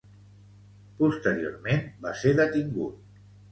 Posteriorment va ser detingut.